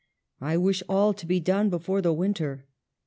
I wish all to be done before the winter.